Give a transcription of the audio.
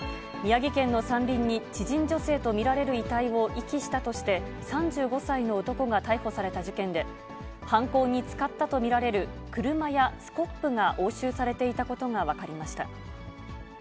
宮城県の山林に、知人女性と見られる遺体を遺棄したとして、３５歳の男が逮捕された事件で、犯行に使ったと見られる車やスコップが押収されていたことが分かりました。